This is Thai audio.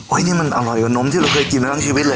นี่มันอร่อยกว่านมที่เราเคยกินมาทั้งชีวิตเลย